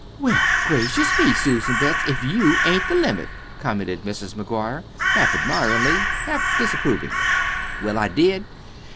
"Well, gracious me, Susan Betts, if you ain't the limit!" commented Mrs. McGuire, half admiringly, half disapprovingly. "Well, I did.